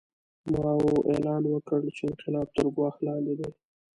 ماوو اعلان وکړ چې انقلاب تر ګواښ لاندې دی.